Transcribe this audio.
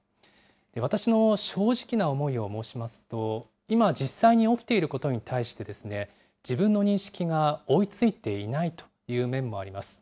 私の正直な思いを申しますと、今、実際に起きていることに対して、自分の認識が追いついていないという面もあります。